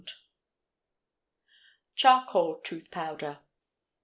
CHARCOAL TOOTH POWDER.